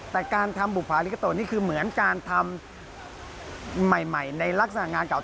แต่การทำบุภาลิกโตนี่คือเหมือนการทำใหม่ในลักษณะงานเก่า